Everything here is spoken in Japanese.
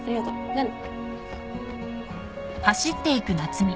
じゃあね。